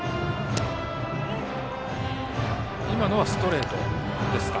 今のはストレートですか。